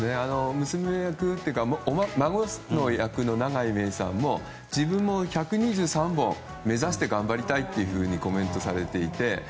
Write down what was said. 娘役というか孫役の永野芽郁さんも自分も１２３本目指して頑張りたいとコメントされていて。